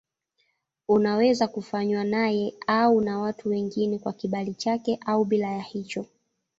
Unaweza kufanywa naye au na watu wengine kwa kibali chake au bila ya hicho.